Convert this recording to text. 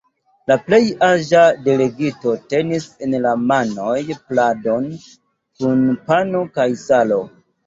La plej aĝa delegito tenis en la manoj pladon kun pano kaj salo.